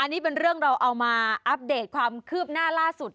นี่เป็นเรื่องเราเอามาอัปเดตความคืบหน้าล่าสุด